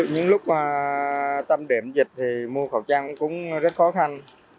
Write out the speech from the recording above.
những lúc tâm điểm dịch thì mua khẩu trang cũng rất khó khăn